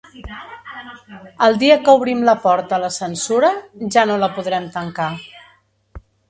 El dia que obrim la porta a la censura ja no la podrem tancar.